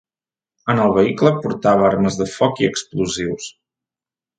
En el vehicle portava armes de foc i explosius.